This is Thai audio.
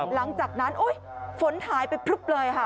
หลังจากนั้นโอ๊ยฝนหายไปพรุ่บเลยค่ะ